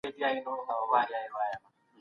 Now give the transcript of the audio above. د رحمان بابا شعرونه د ټولو افغانانو خوښیږي.